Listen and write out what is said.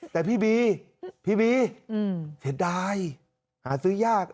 แต่พี่บีพี่บีเสียดายหาซื้อยาก